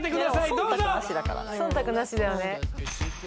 どうぞ忖度なしだよね